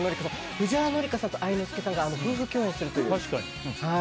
藤原紀香さんと愛之助さんが夫婦共演しているという。